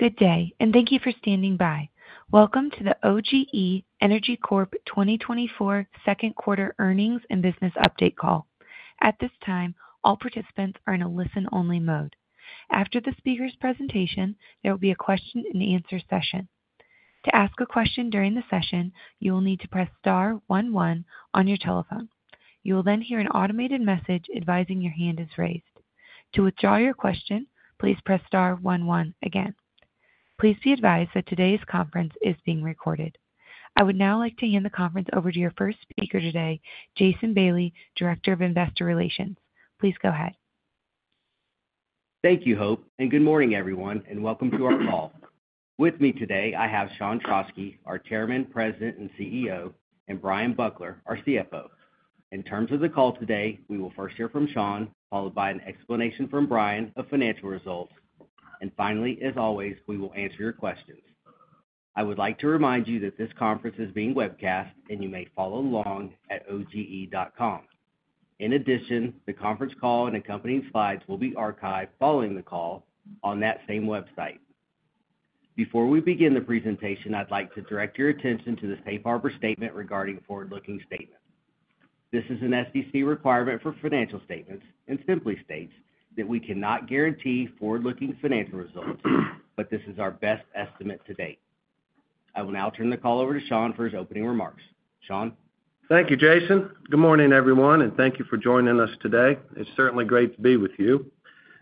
Good day, and thank you for standing by. Welcome to the OGE Energy Corp. 2024 second quarter earnings and business update call. At this time, all participants are in a listen-only mode. After the speaker's presentation, there will be a question-and-answer session. To ask a question during the session, you will need to press star one one on your telephone. You will then hear an automated message advising your hand is raised. To withdraw your question, please press star one one again. Please be advised that today's conference is being recorded. I would now like to hand the conference over to your first speaker today, Jason Bailey, Director of Investor Relations. Please go ahead. Thank you, Hope, and good morning everyone, and welcome to our call. With me today, I have Sean Trauschke, our Chairman, President, and CEO, and Bryan Buckler, our CFO. In terms of the call today, we will first hear from Sean, followed by an explanation from Bryan of financial results. Finally, as always, we will answer your questions. I would like to remind you that this conference is being webcast, and you may follow along at oge.com. In addition, the conference call and accompanying slides will be archived following the call on that same website. Before we begin the presentation, I'd like to direct your attention to the safe harbor statement regarding forward-looking statements. This is an SEC requirement for financial statements and simply states that we cannot guarantee forward-looking financial results, but this is our best estimate to date. I will now turn the call over to Sean for his opening remarks. Sean? Thank you, Jason. Good morning, everyone, and thank you for joining us today. It's certainly great to be with you.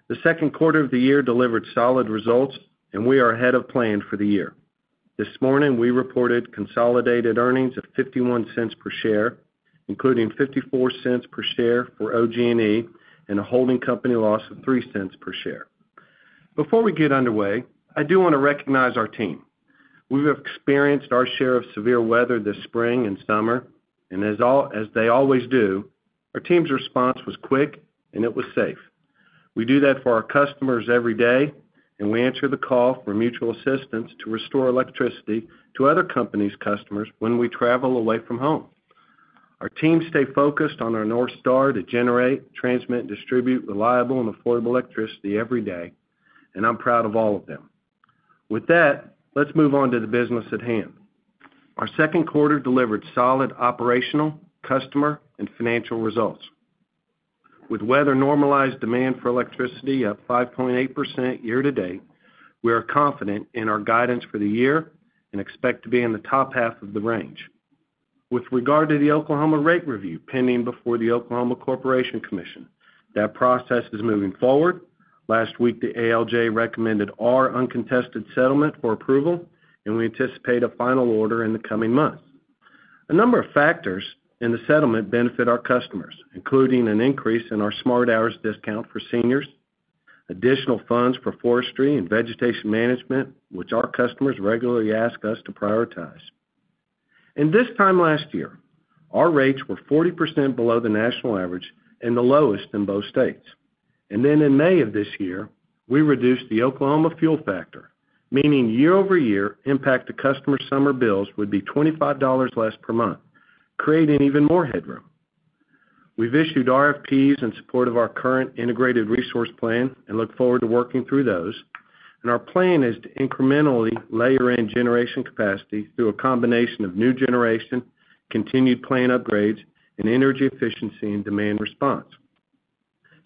The second quarter of the year delivered solid results, and we are ahead of plan for the year. This morning, we reported consolidated earnings of $0.51 per share, including $0.54 per share for OG&E, and a holding company loss of $0.03 per share. Before we get underway, I do want to recognize our team. We have experienced our share of severe weather this spring and summer, and as they always do, our team's response was quick, and it was safe. We do that for our customers every day, and we answer the call for mutual assistance to restore electricity to other companies' customers when we travel away from home. Our teams stay focused on our North Star to generate, transmit, and distribute reliable and affordable electricity every day, and I'm proud of all of them. With that, let's move on to the business at hand. Our second quarter delivered solid operational, customer, and financial results. With weather-normalized demand for electricity up 5.8% year to date, we are confident in our guidance for the year and expect to be in the top half of the range. With regard to the Oklahoma rate review, pending before the Oklahoma Corporation Commission, that process is moving forward. Last week, the ALJ recommended our uncontested settlement for approval, and we anticipate a final order in the coming months. A number of factors in the settlement benefit our customers, including an increase in our SmartHours discount for seniors, additional funds for forestry and vegetation management, which our customers regularly ask us to prioritize. In this time last year, our rates were 40% below the national average and the lowest in both states. Then in May of this year, we reduced the Oklahoma fuel factor, meaning year-over-year impact to customer summer bills would be $25 less per month, creating even more headroom. We've issued RFPs in support of our current Integrated Resource Plan and look forward to working through those. Our plan is to incrementally layer in generation capacity through a combination of new generation, continued plan upgrades, and energy efficiency and demand response.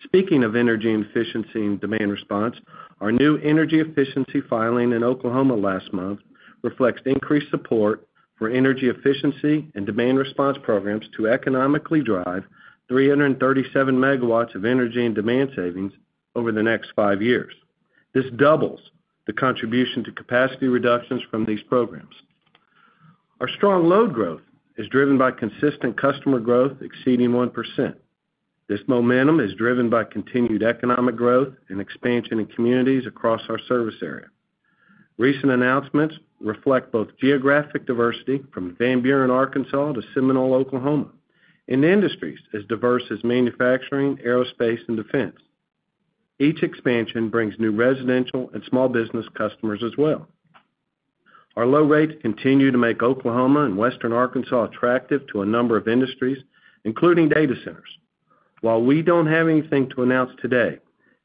Speaking of energy efficiency and demand response, our new energy efficiency filing in Oklahoma last month reflects increased support for energy efficiency and demand response programs to economically drive 337 MW of energy and demand savings over the next five years. This doubles the contribution to capacity reductions from these programs. Our strong load growth is driven by consistent customer growth exceeding 1%. This momentum is driven by continued economic growth and expansion in communities across our service area. Recent announcements reflect both geographic diversity, from Van Buren, Arkansas, to Seminole, Oklahoma, and industries as diverse as manufacturing, aerospace, and defense. Each expansion brings new residential and small business customers as well. Our low rates continue to make Oklahoma and western Arkansas attractive to a number of industries, including data centers. While we don't have anything to announce today,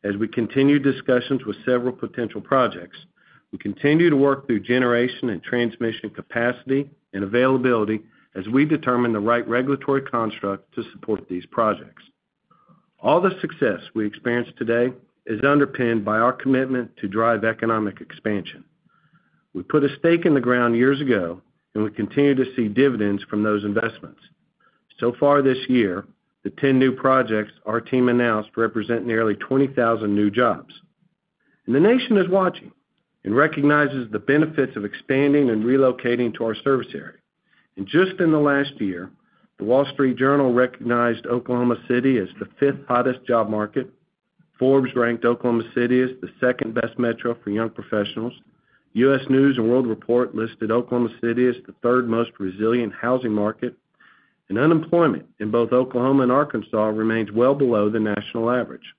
as we continue discussions with several potential projects, we continue to work through generation and transmission capacity and availability as we determine the right regulatory construct to support these projects. All the success we experience today is underpinned by our commitment to drive economic expansion. We put a stake in the ground years ago, and we continue to see dividends from those investments. So far this year, the 10 new projects our team announced represent nearly 20,000 new jobs. And the nation is watching and recognizes the benefits of expanding and relocating to our service area. And just in the last year, The Wall Street Journal recognized Oklahoma City as the fifth hottest job market. Forbes ranked Oklahoma City as the second-best metro for young professionals. U.S. News & World Report listed Oklahoma City as the third most resilient housing market. Unemployment in both Oklahoma and Arkansas remains well below the national average.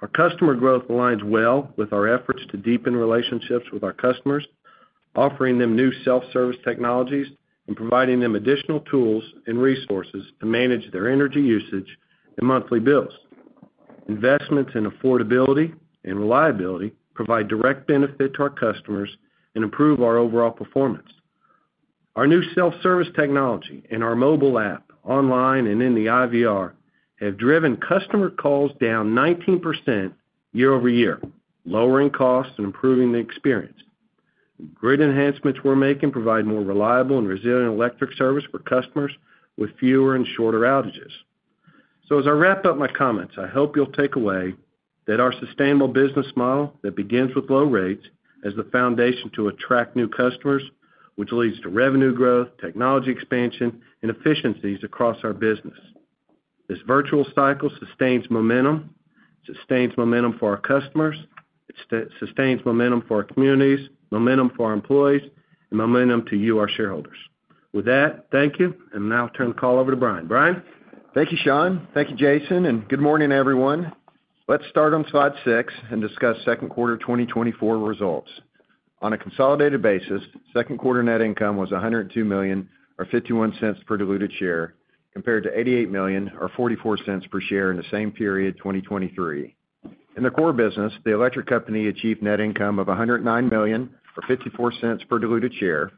Our customer growth aligns well with our efforts to deepen relationships with our customers, offering them new self-service technologies, and providing them additional tools and resources to manage their energy usage and monthly bills. Investments in affordability and reliability provide direct benefit to our customers and improve our overall performance. Our new self-service technology in our mobile app, online and in the IVR, have driven customer calls down 19% year-over-year, lowering costs and improving the experience. The great enhancements we're making provide more reliable and resilient electric service for customers with fewer and shorter outages. As I wrap up my comments, I hope you'll take away that our sustainable business model that begins with low rates is the foundation to attract new customers, which leads to revenue growth, technology expansion, and efficiencies across our business. This virtuous cycle sustains momentum, sustains momentum for our customers, it sustains momentum for our communities, momentum for our employees, and momentum to you, our shareholders. With that, thank you, and now I'll turn the call over to Bryan. Bryan? Thank you, Sean. Thank you, Jason, and good morning, everyone. Let's start on slide 6 and discuss second quarter 2024 results. On a consolidated basis, second quarter net income was $102 million, or $0.51 per diluted share, compared to $88 million or $0.44 per share in the same period, 2023. In the core business, the electric company achieved net income of $109 million, or $0.54 per diluted share,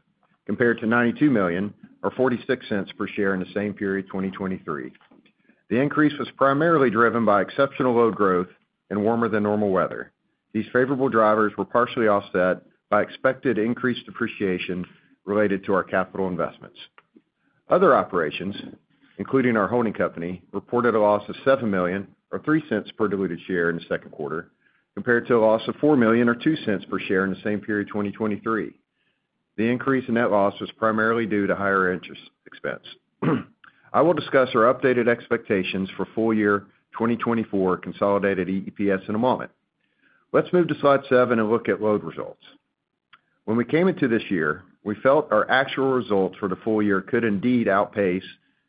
compared to $92 million or $0.46 per share in the same period, 2023. The increase was primarily driven by exceptional load growth and warmer than normal weather. These favorable drivers were partially offset by expected increased depreciation related to our capital investments. Other operations, including our holding company, reported a loss of $7 million or $0.03 per diluted share in the second quarter, compared to a loss of $4 million or $0.02 per share in the same period, 2023. The increase in net loss was primarily due to higher interest expense. I will discuss our updated expectations for full year 2024 consolidated EPS in a moment. Let's move to slide 7 and look at load results. When we came into this year, we felt our actual results for the full year could indeed outpace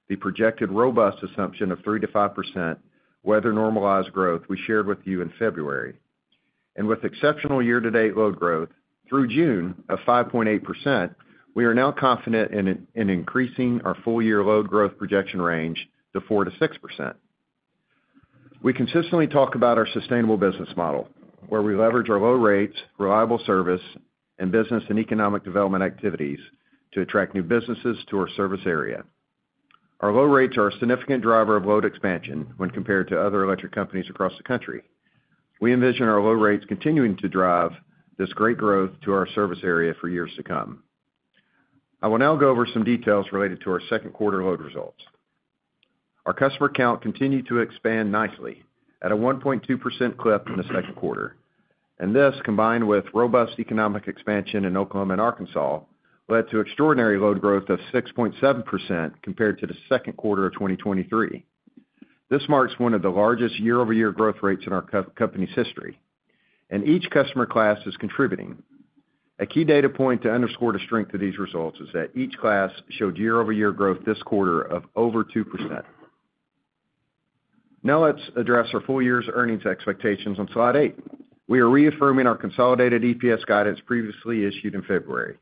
the projected robust assumption of 3%-5% weather-normalized growth we shared with you in February. With exceptional year-to-date load growth through June of 5.8%, we are now confident in increasing our full-year load growth projection range to 4%-6%. We consistently talk about our sustainable business model, where we leverage our low rates, reliable service, and business and economic development activities to attract new businesses to our service area. Our low rates are a significant driver of load expansion when compared to other electric companies across the country. We envision our low rates continuing to drive this great growth to our service area for years to come. I will now go over some details related to our second quarter load results. Our customer count continued to expand nicely at a 1.2% clip in the second quarter, and this, combined with robust economic expansion in Oklahoma and Arkansas, led to extraordinary load growth of 6.7% compared to the second quarter of 2023. This marks one of the largest year-over-year growth rates in our company's history, and each customer class is contributing. A key data point to underscore the strength of these results is that each class showed year-over-year growth this quarter of over 2%. Now, let's address our full year's earnings expectations on slide 8. We are reaffirming our consolidated EPS guidance previously issued in February.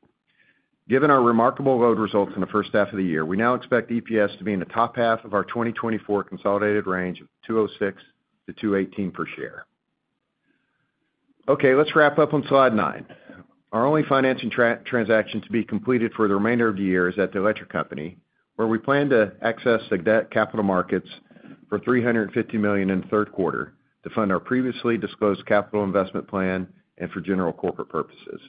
Given our remarkable load results in the first half of the year, we now expect EPS to be in the top half of our 2024 consolidated range of $2.06-$2.18 per share. Okay, let's wrap up on slide 9. Our only financing transaction to be completed for the remainder of the year is at the electric company, where we plan to access the debt capital markets for $350 million in the third quarter to fund our previously disclosed capital investment plan and for general corporate purposes.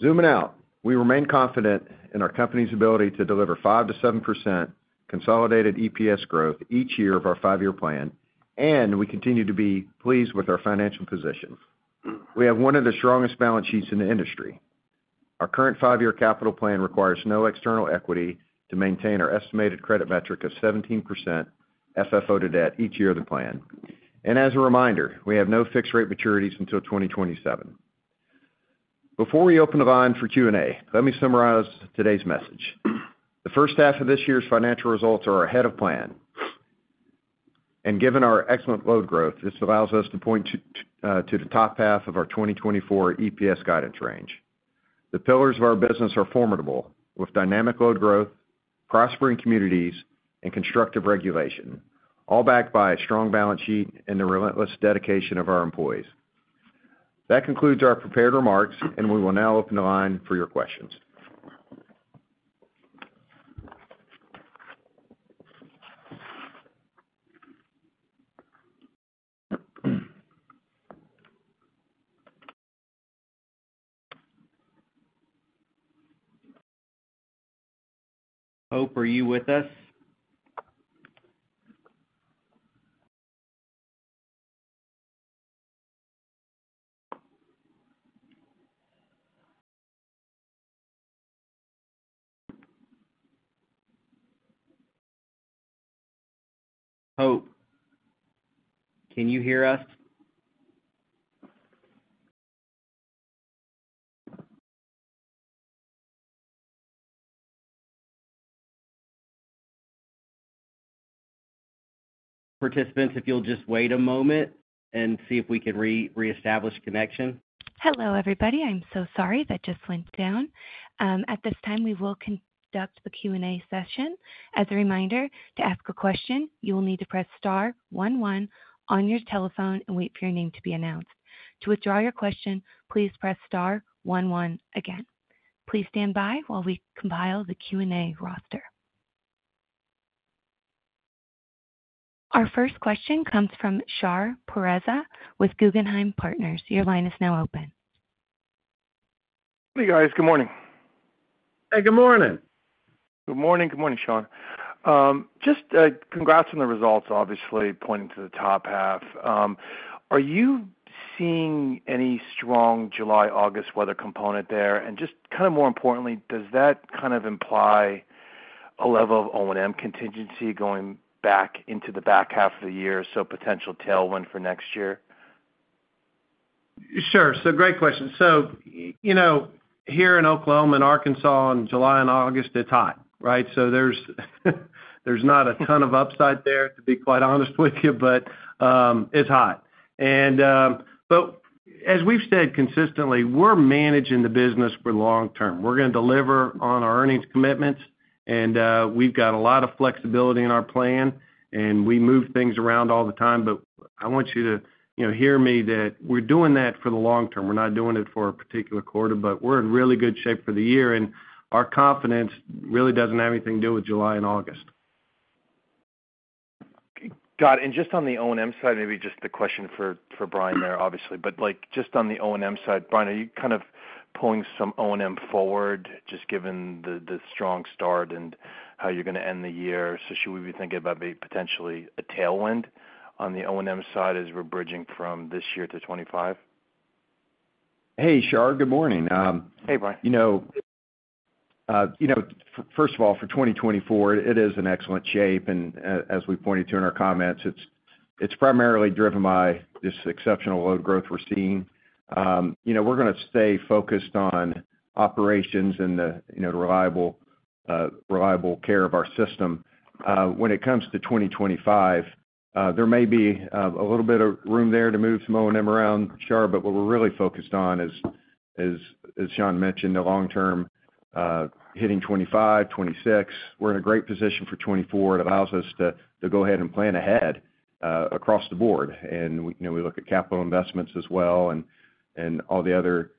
Zooming out, we remain confident in our company's ability to deliver 5%-7% consolidated EPS growth each year of our five-year plan, and we continue to be pleased with our financial position. We have one of the strongest balance sheets in the industry. Our current five-year capital plan requires no external equity to maintain our estimated credit metric of 17% FFO to debt each year of the plan. And as a reminder, we have no fixed rate maturities until 2027. Before we open the line for Q&A, let me summarize today's message. The first half of this year's financial results are ahead of plan, and given our excellent load growth, this allows us to point to to the top half of our 2024 EPS guidance range. The pillars of our business are formidable, with dynamic load growth, prospering communities, and constructive regulation, all backed by a strong balance sheet and the relentless dedication of our employees. That concludes our prepared remarks, and we will now open the line for your questions. Hope, are you with us? Hope, can you hear us?... Participants, if you'll just wait a moment and see if we can reestablish connection. Hello, everybody. I'm so sorry, that just went down. At this time, we will conduct the Q&A session. As a reminder, to ask a question, you will need to press star one one on your telephone and wait for your name to be announced. To withdraw your question, please press star one one again. Please stand by while we compile the Q&A roster. Our first question comes from Shahriar Pourreza with Guggenheim Partners. Your line is now open. Hey, guys. Good morning. Hey, good morning. Good morning. Good morning, Sean. Just, congrats on the results, obviously, pointing to the top half. Are you seeing any strong July, August weather component there? And just kind of more importantly, does that kind of imply a level of O&M contingency going back into the back half of the year, so potential tailwind for next year? Sure. So great question. So, you know, here in Oklahoma and Arkansas, in July and August, it's hot, right? So there's, there's not a ton of upside there, to be quite honest with you, but, it's hot. And, but as we've said consistently, we're managing the business for long term. We're going to deliver on our earnings commitments, and, we've got a lot of flexibility in our plan, and we move things around all the time. But I want you to, you know, hear me that we're doing that for the long term. We're not doing it for a particular quarter, but we're in really good shape for the year, and our confidence really doesn't have anything to do with July and August. Got it. And just on the O&M side, maybe just a question for, for Bryan there, obviously. But, like, just on the O&M side, Bryan, are you kind of pulling some O&M forward, just given the, the strong start and how you're going to end the year? So should we be thinking about potentially a tailwind on the O&M side as we're bridging from this year to 2025? Hey, Shar. Good morning. Hey, Bryan. You know, you know, first of all, for 2024, it is in excellent shape, and as we pointed to in our comments, it's primarily driven by this exceptional load growth we're seeing. You know, we're going to stay focused on operations and the reliable care of our system. When it comes to 2025, there may be a little bit of room there to move some O&M around, Shar, but what we're really focused on is, as Sean mentioned, the long term, hitting 2025, 2026. We're in a great position for 2024. It allows us to go ahead and plan ahead across the board. And, you know, we look at capital investments as well and all the other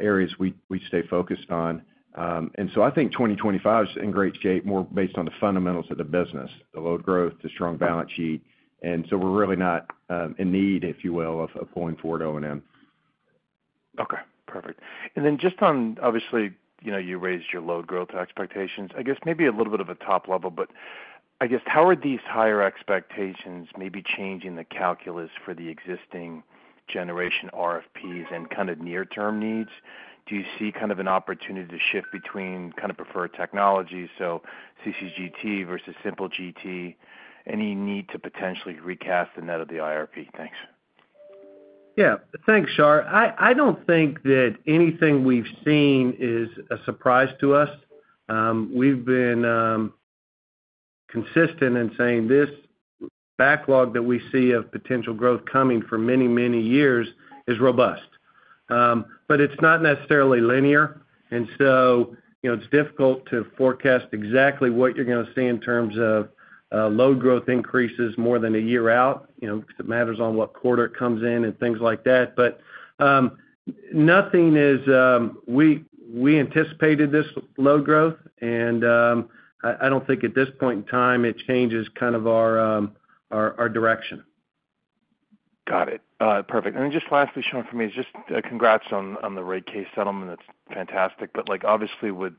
areas we stay focused on. And so I think 2025 is in great shape, more based on the fundamentals of the business, the load growth, the strong balance sheet. And so we're really not in need, if you will, of pulling forward O&M. Okay, perfect. And then just on obviously, you know, you raised your load growth expectations. I guess maybe a little bit of a top level, but I guess, how are these higher expectations maybe changing the calculus for the existing generation RFPs and kind of near-term needs? Do you see kind of an opportunity to shift between kind of preferred technology, so CCGT versus simple GT? Any need to potentially recast the net of the IRP? Thanks. Yeah. Thanks, Shar. I don't think that anything we've seen is a surprise to us. We've been consistent in saying this backlog that we see of potential growth coming for many, many years is robust. But it's not necessarily linear, and so, you know, it's difficult to forecast exactly what you're going to see in terms of load growth increases more than a year out, you know, because it matters on what quarter it comes in and things like that. But nothing is-- we anticipated this load growth, and I don't think at this point in time, it changes kind of our direction. Got it. Perfect. And then just lastly, Sean, for me, just, congrats on, on the rate case settlement. That's fantastic. But, like, obviously, with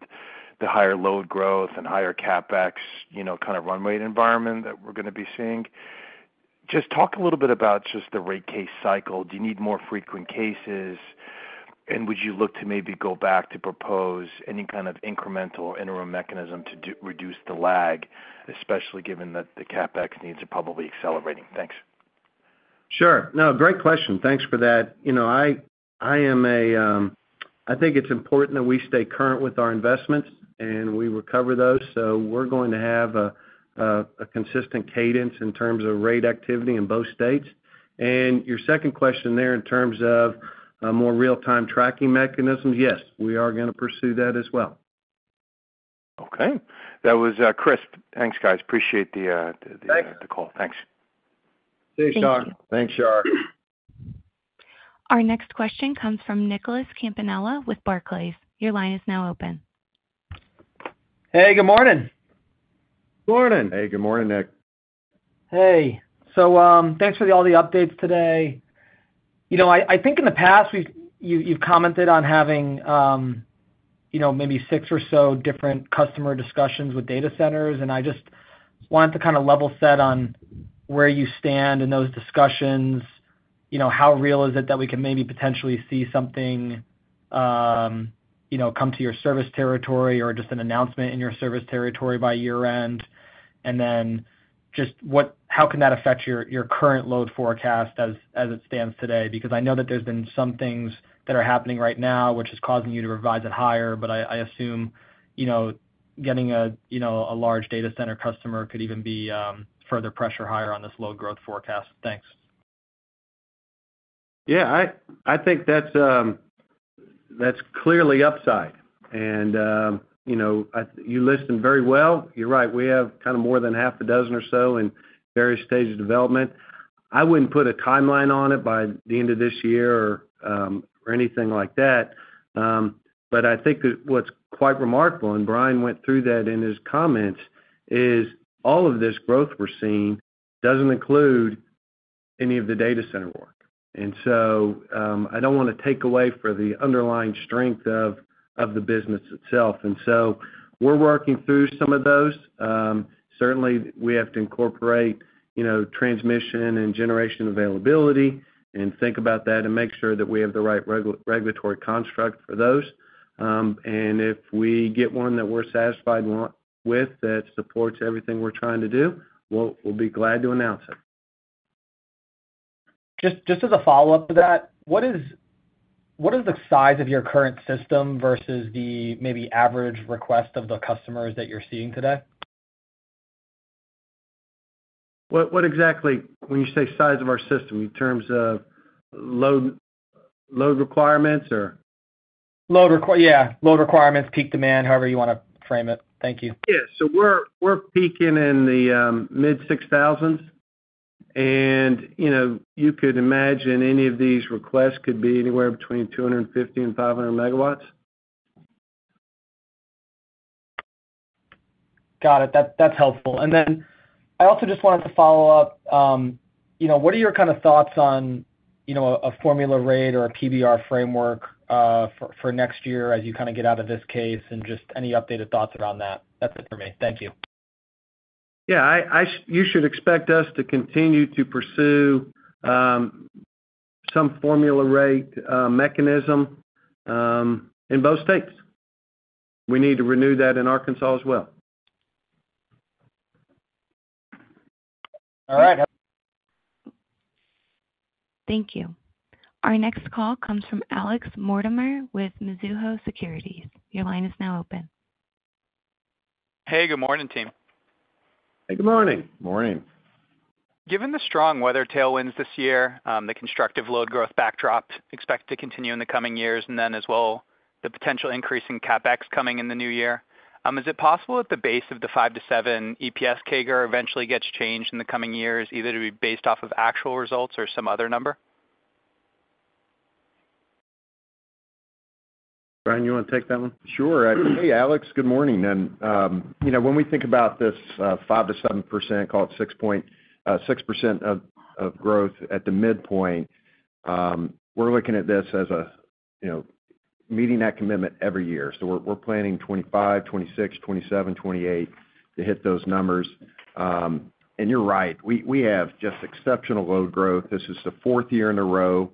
the higher load growth and higher CapEx, you know, kind of runway environment that we're going to be seeing, just talk a little bit about just the rate case cycle. Do you need more frequent cases, and would you look to maybe go back to propose any kind of incremental interim mechanism to do, reduce the lag, especially given that the CapEx needs are probably accelerating? Thanks. Sure. No, great question. Thanks for that. You know, I think it's important that we stay current with our investments and we recover those, so we're going to have a consistent cadence in terms of rate activity in both states. And your second question there, in terms of more real-time tracking mechanisms, yes, we are going to pursue that as well. Okay. That was crisp. Thanks, guys. Appreciate the- Thanks. the call. Thanks. Thanks, Shar. Thank you. Thanks, Shar. Our next question comes from Nicholas Campanella with Barclays. Your line is now open. Hey, good morning. Morning! Hey, good morning, Nick. Hey. So, thanks for all the updates today. You know, I think in the past, you've commented on having, you know, maybe six or so different customer discussions with data centers, and I just wanted to kind of level set on where you stand in those discussions. You know, how real is it that we can maybe potentially see something, you know, come to your service territory or just an announcement in your service territory by year-end? And then just how can that affect your current load forecast as it stands today? Because I know that there's been some things that are happening right now, which is causing you to revise it higher, but I assume, you know, getting a, you know, a large data center customer could even be further pressure higher on this low growth forecast? Thanks. Yeah, I think that's clearly upside. You know, you listened very well. You're right. We have kind of more than half a dozen or so in various stages of development. I wouldn't put a timeline on it by the end of this year or anything like that. But I think that what's quite remarkable, and Bryan went through that in his comments, is all of this growth we're seeing doesn't include any of the data center work. So, I don't want to take away from the underlying strength of the business itself. We're working through some of those. Certainly, we have to incorporate transmission and generation availability and think about that and make sure that we have the right regulatory construct for those. And if we get one that we're satisfied with, that supports everything we're trying to do, we'll, we'll be glad to announce it. Just as a follow-up to that, what is the size of your current system versus the maybe average request of the customers that you're seeing today? What, what exactly, when you say size of our system, in terms of load, load requirements, or? Yeah, load requirements, peak demand, however you want to frame it. Thank you. Yeah. So we're, we're peaking in the mid-6,000s. And, you know, you could imagine any of these requests could be anywhere between 250 MW and 500 MW. Got it. That, that's helpful. And then I also just wanted to follow up, you know, what are your kind of thoughts on, you know, a formula rate or a PBR framework, for next year as you kind of get out of this case, and just any updated thoughts around that? That's it for me. Thank you. Yeah, you should expect us to continue to pursue some formula rate mechanism in both states. We need to renew that in Arkansas as well. All right. Thank you. Our next call comes from Alex Mortimer with Mizuho Securities. Your line is now open. Hey, good morning, team. Hey, good morning. Morning. Given the strong weather tailwinds this year, the constructive load growth backdrop expected to continue in the coming years, and then as well, the potential increase in CapEx coming in the new year, is it possible at the base of the 5%-7% EPS CAGR eventually gets changed in the coming years, either to be based off of actual results or some other number? Bryan, you want to take that one? Sure. Hey, Alex, good morning. And, you know, when we think about this, five to seven percent, call it six point six percent of growth at the midpoint, we're looking at this as a, you know, meeting that commitment every year. So we're planning 2025, 2026, 2027, 2028 to hit those numbers. And you're right, we have just exceptional load growth. This is the fourth year in a row,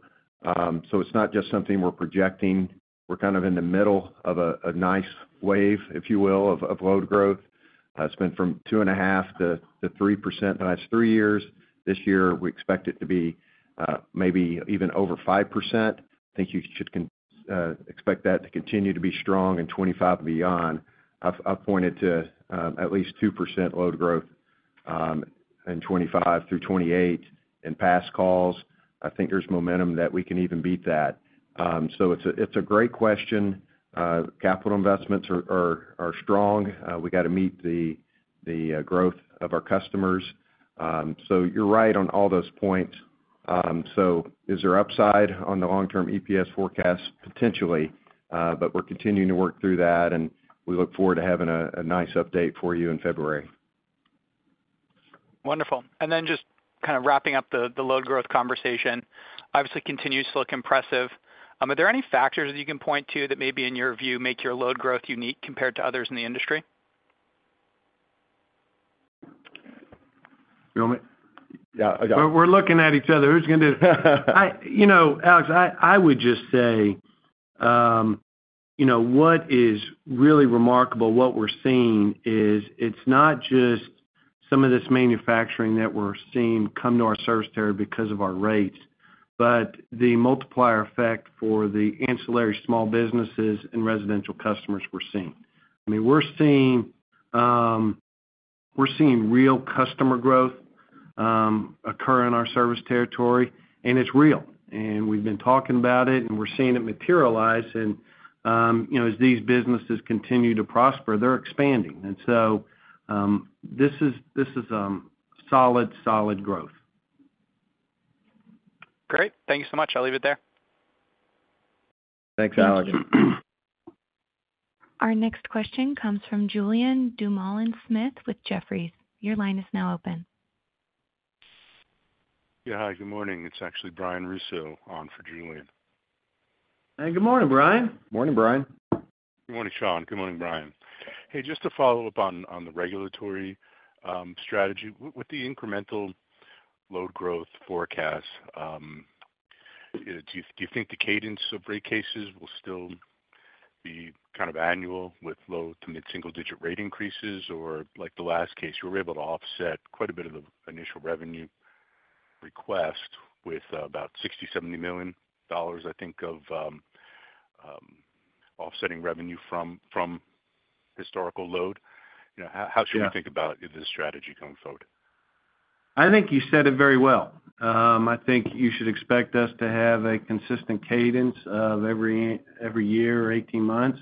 so it's not just something we're projecting. We're kind of in the middle of a nice wave, if you will, of load growth. It's been from 2.5% to 3% the last three years. This year, we expect it to be maybe even over 5%. I think you should expect that to continue to be strong in 2025 and beyond. I've pointed to at least 2% load growth in 2025 through 2028 in past calls. I think there's momentum that we can even beat that. So it's a great question. Capital investments are strong. We got to meet the growth of our customers. So you're right on all those points. So is there upside on the long-term EPS forecast? Potentially. But we're continuing to work through that, and we look forward to having a nice update for you in February. Wonderful. And then just kind of wrapping up the load growth conversation, obviously continues to look impressive. Are there any factors that you can point to that maybe, in your view, make your load growth unique compared to others in the industry? You want me? Yeah. We're looking at each other. Who's going to do it? You know, Alex, I would just say, you know, what is really remarkable, what we're seeing is it's not just some of this manufacturing that we're seeing come to our service territory because of our rates, but the multiplier effect for the ancillary small businesses and residential customers we're seeing. I mean, we're seeing real customer growth occur in our service territory, and it's real. And we've been talking about it, and we're seeing it materialize and, you know, as these businesses continue to prosper, they're expanding. And so, this is solid, solid growth. Great. Thank you so much. I'll leave it there. Thanks, Alex. Our next question comes from Julien Dumoulin-Smith with Jefferies. Your line is now open. Yeah. Hi, good morning. It's actually Brian Russo on for Julien. Hey, good morning, Brian. Morning, Brian. Good morning, Sean. Good morning, Bryan. Hey, just to follow up on the regulatory strategy. With the incremental load growth forecast, do you think the cadence of rate cases will still be kind of annual with low to mid-single-digit rate increases? Or like the last case, you were able to offset quite a bit of the initial revenue request with about $60 million-$70 million, I think, of offsetting revenue from historical load. You know, how- Yeah. How should we think about this strategy going forward? I think you said it very well. I think you should expect us to have a consistent cadence of every year or 18 months,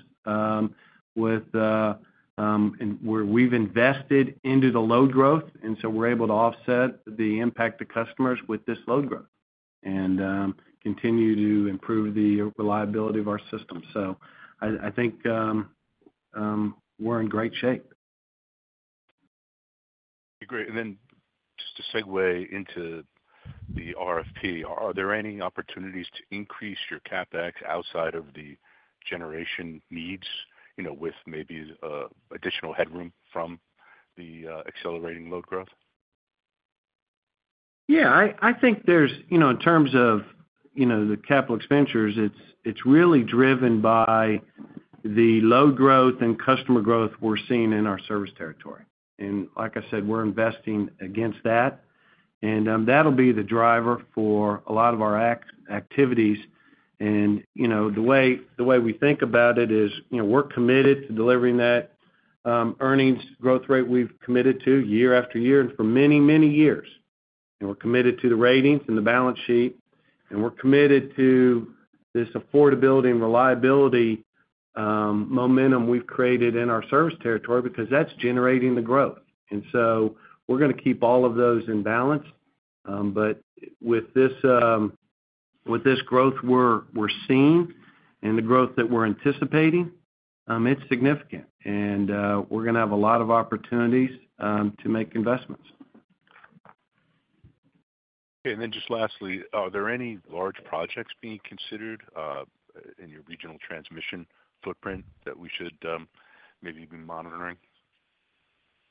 with where we've invested into the load growth, and so we're able to offset the impact to customers with this load growth. And continue to improve the reliability of our system. So I think we're in great shape. Great. And then just to segue into the RFP, are there any opportunities to increase your CapEx outside of the generation needs, you know, with maybe additional headroom from the accelerating load growth? Yeah, I think there's, you know, in terms of, you know, the capital expenditures, it's really driven by the load growth and customer growth we're seeing in our service territory. And like I said, we're investing against that, and that'll be the driver for a lot of our activities. And, you know, the way we think about it is, you know, we're committed to delivering that earnings growth rate we've committed to year after year and for many, many years. And we're committed to the ratings and the balance sheet, and we're committed to this affordability and reliability momentum we've created in our service territory because that's generating the growth. And so we're going to keep all of those in balance. But with this growth we're seeing and the growth that we're anticipating, it's significant, and we're going to have a lot of opportunities to make investments. Okay. And then just lastly, are there any large projects being considered in your regional transmission footprint that we should maybe be monitoring?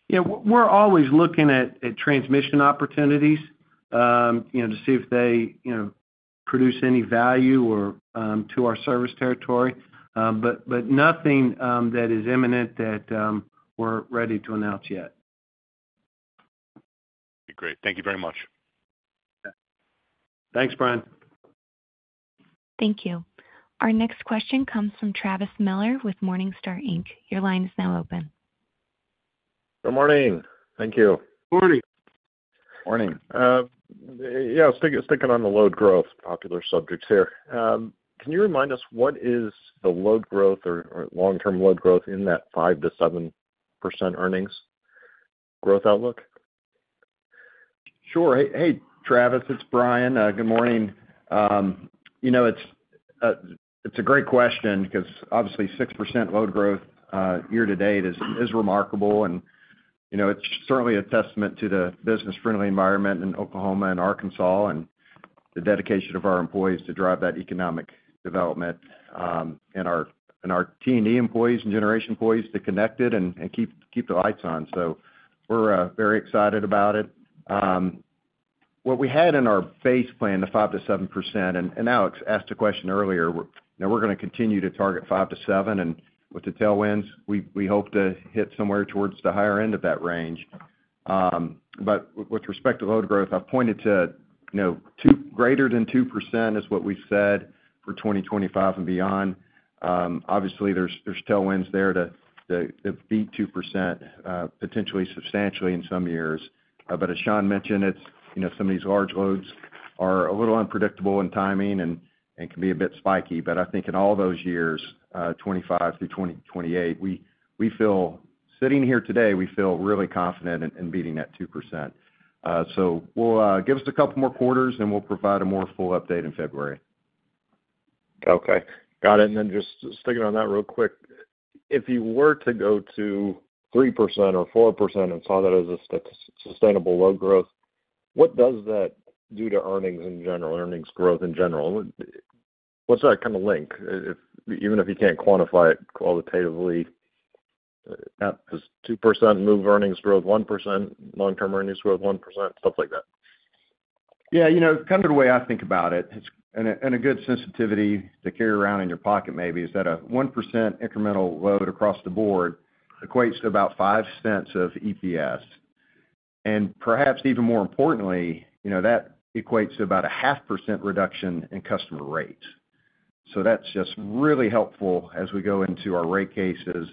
Yeah, we're always looking at transmission opportunities, you know, to see if they, you know, produce any value or to our service territory. But nothing that is imminent that we're ready to announce yet. Great. Thank you very much. Thanks, Brian. Thank you. Our next question comes from Travis Miller with Morningstar Inc. Your line is now open. Good morning. Thank you. Morning. Morning. Yeah, sticking on the load growth, popular subjects here. Can you remind us, what is the load growth or long-term load growth in that 5%-7% earnings growth outlook? Sure. Hey, Travis, it's Bryan. Good morning. You know, it's a great question because obviously, 6% load growth year-to-date is remarkable. And, you know, it's certainly a testament to the business-friendly environment in Oklahoma and Arkansas, and the dedication of our employees to drive that economic development, and our T&D employees and generation employees to connect it and keep the lights on. So we're very excited about it. What we had in our base plan, the 5%-7%, and Alex asked a question earlier, we're now going to continue to target 5%-7%, and with the tailwinds, we hope to hit somewhere towards the higher end of that range. But with respect to load growth, I've pointed to, you know, two-- greater than 2% is what we've said for 2025 and beyond. Obviously, there's tailwinds there to beat 2%, potentially substantially in some years. But as Sean mentioned, it's, you know, some of these large loads are a little unpredictable in timing and can be a bit spiky. But I think in all those years, 2025 through 2028, we feel-- sitting here today, we feel really confident in beating that 2%. So we'll give us a couple more quarters, and we'll provide a more full update in February. Okay. Got it, and then just sticking on that real quick. If you were to go to 3% or 4% and saw that as a sustainable load growth, what does that do to earnings in general, earnings growth in general? What's that kind of link? Even if you can't quantify it qualitatively, does 2% move earnings growth 1%, long-term earnings growth 1%, stuff like that. Yeah, you know, kind of the way I think about it, it's a good sensitivity to carry around in your pocket maybe, is that a 1% incremental load across the board equates to about $0.05 of EPS. And perhaps even more importantly, you know, that equates to about a 0.5% reduction in customer rates. So that's just really helpful as we go into our rate cases.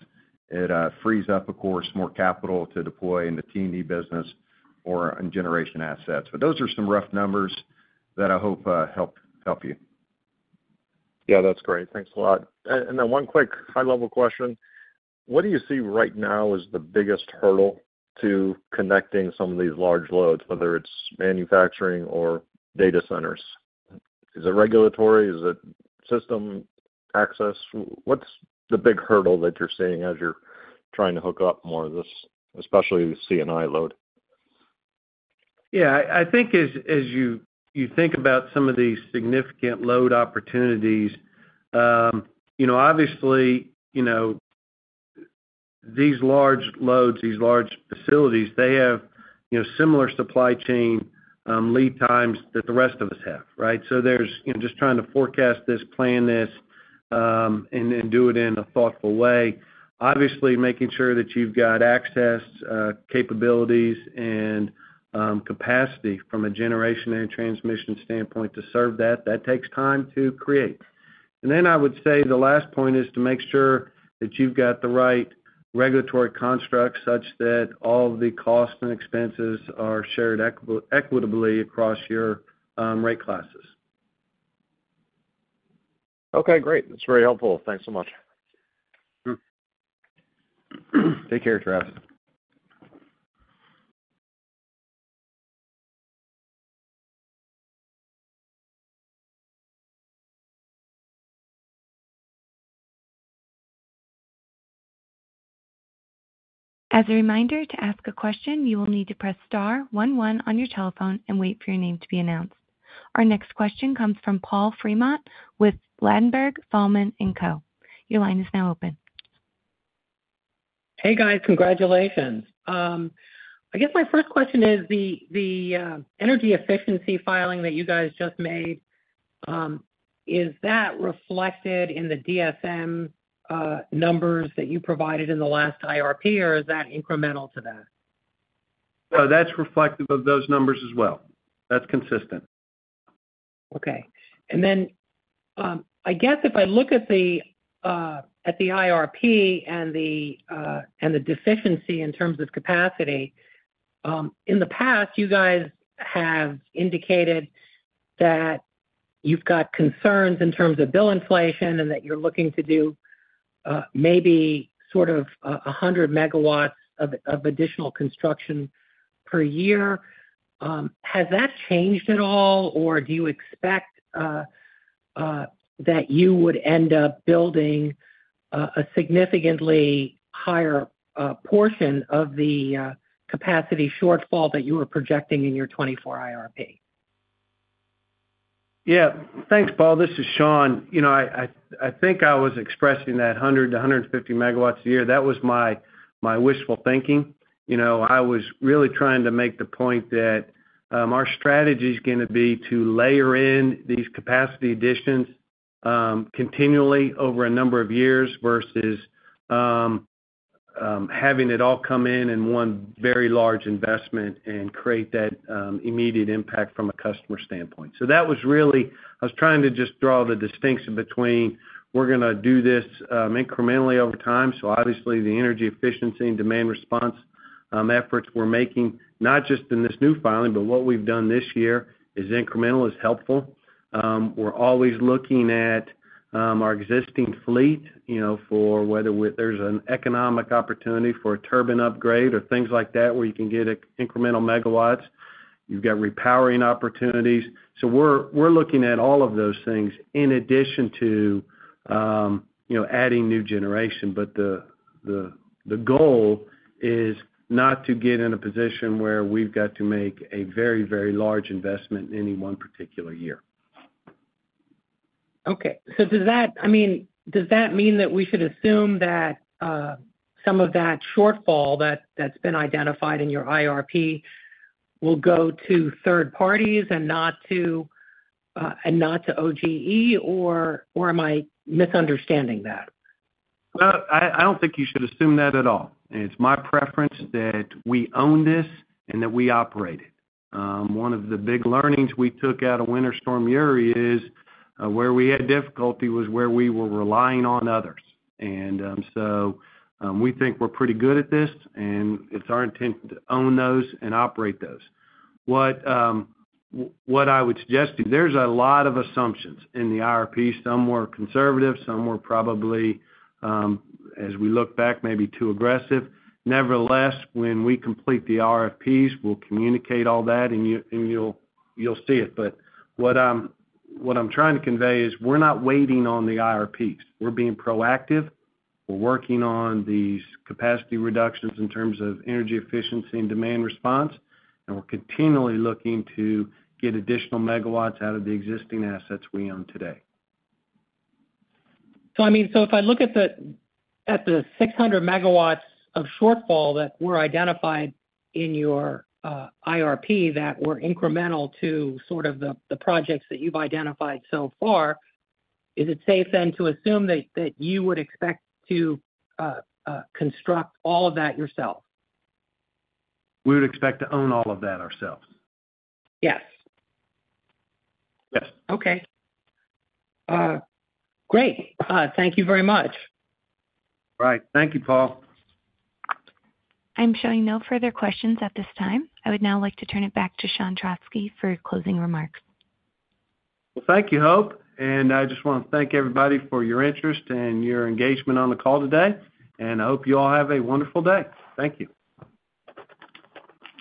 It frees up, of course, more capital to deploy in the T&D business or on generation assets. But those are some rough numbers that I hope help you. Yeah, that's great. Thanks a lot. And then one quick high-level question: What do you see right now as the biggest hurdle to connecting some of these large loads, whether it's manufacturing or data centers? Is it regulatory? Is it system access? What's the big hurdle that you're seeing as you're trying to hook up more of this, especially the C&I load? Yeah, I think as you think about some of these significant load opportunities, you know, obviously, you know, these large loads, these large facilities, they have, you know, similar supply chain, lead times that the rest of us have, right? So there's, you know, just trying to forecast this, plan this, and then do it in a thoughtful way. Obviously, making sure that you've got access, capabilities and, capacity from a generation and transmission standpoint to serve that, that takes time to create.... And then I would say the last point is to make sure that you've got the right regulatory construct such that all the costs and expenses are shared equitably across your, rate classes. Okay, great. That's very helpful. Thanks so much. Take care, Travis. As a reminder, to ask a question, you will need to press star one one on your telephone and wait for your name to be announced. Our next question comes from Paul Fremont with Ladenburg Thalmann & Co. Your line is now open. Hey, guys. Congratulations. I guess my first question is the energy efficiency filing that you guys just made, is that reflected in the DSM numbers that you provided in the last IRP, or is that incremental to that? Well, that's reflective of those numbers as well. That's consistent. Okay. And then, I guess if I look at the, at the IRP and the, and the deficiency in terms of capacity, in the past, you guys have indicated that you've got concerns in terms of bill inflation and that you're looking to do, maybe sort of a 100 MW of additional construction per year. Has that changed at all, or do you expect that you would end up building a significantly higher portion of the capacity shortfall that you were projecting in your 2024 IRP? Yeah. Thanks, Paul. This is Sean. You know, I think I was expressing that 100 MW-150 MW a year. That was my wishful thinking. You know, I was really trying to make the point that our strategy is gonna be to layer in these capacity additions continually over a number of years versus having it all come in in one very large investment and create that immediate impact from a customer standpoint. So that was really. I was trying to just draw the distinction between, we're gonna do this incrementally over time. So obviously, the energy efficiency and demand response efforts we're making, not just in this new filing, but what we've done this year is incremental, is helpful. We're always looking at our existing fleet, you know, for whether there's an economic opportunity for a turbine upgrade or things like that, where you can get incremental megawatts. You've got repowering opportunities. So we're looking at all of those things in addition to, you know, adding new generation. But the goal is not to get in a position where we've got to make a very, very large investment in any one particular year. Okay. So does that, I mean, does that mean that we should assume that some of that shortfall that's been identified in your IRP will go to third parties and not to, and not to OGE, or am I misunderstanding that? Well, I don't think you should assume that at all. It's my preference that we own this and that we operate it. One of the big learnings we took out of Winter Storm Uri is, where we had difficulty was where we were relying on others. So, we think we're pretty good at this, and it's our intent to own those and operate those. What I would suggest to you, there's a lot of assumptions in the IRP. Some were conservative, some were probably, as we look back, maybe too aggressive. Nevertheless, when we complete the RFPs, we'll communicate all that, and you'll see it. But what I'm trying to convey is we're not waiting on the IRPs. We're being proactive. We're working on these capacity reductions in terms of energy efficiency and demand response, and we're continually looking to get additional megawatts out of the existing assets we own today. So I mean, so if I look at the, at the 600 MW of shortfall that were identified in your IRP, that were incremental to sort of the, the projects that you've identified so far, is it safe then to assume that, that you would expect to construct all of that yourself? We would expect to own all of that ourselves. Yes? Yes. Okay. Great. Thank you very much. Right. Thank you, Paul. I'm showing no further questions at this time. I would now like to turn it back to Sean Trauschke for closing remarks. Well, thank you, Hope, and I just want to thank everybody for your interest and your engagement on the call today. I hope you all have a wonderful day. Thank you.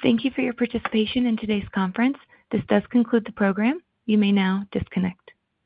Thank you for your participation in today's conference. This does conclude the program. You may now disconnect.